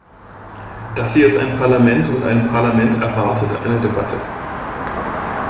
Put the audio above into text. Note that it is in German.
Das ist hier ein Parlament, und ein Parlament erwartet eine Debatte.